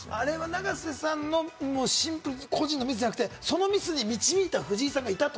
永瀬さん、シンプルに個人のミスじゃなくて、そのものに導いた藤井さんがいると。